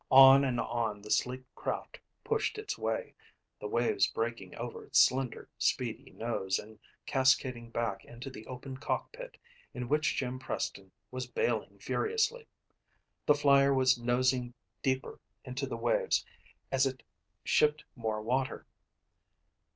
On and on the sleek craft pushed its way, the waves breaking over its slender, speedy nose and cascading back into the open cockpit in which Jim Preston was bailing furiously. The Flyer was nosing deeper into the waves as it shipped more water.